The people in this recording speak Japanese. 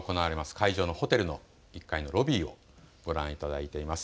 会場のホテルの１階のロビーをご覧いただいています。